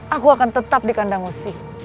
aku akan tetap di kandang musik